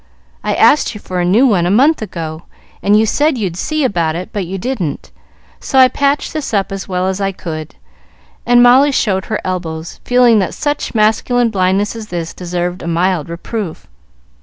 I asked you for a new one a month ago, and you said you'd 'see about it'; but you didn't, so I patched this up as well as I could;" and Molly showed her elbows, feeling that such masculine blindness as this deserved a mild reproof.